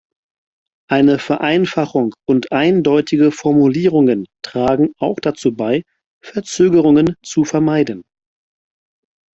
Eine Vereinfachung und eindeutige Formulierungen tragen auch dazu bei, Verzögerungen zu vermeiden.